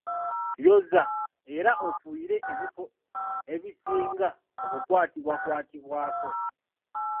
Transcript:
Yoza era ofuuyire ebifo ebisinga okukwatibwakwatibwako.